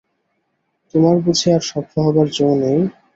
তোমার বুঝি আর সভ্য হবার জো নেই?